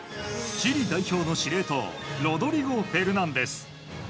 チリ代表の司令塔ロドリゴ・フェルナンデス。